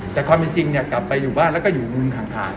แต่ความเป็นจริงกลับไปอยู่บ้านแล้วก็อยู่มุมห่าง